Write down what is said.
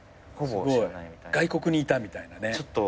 外国にいたみたいなね。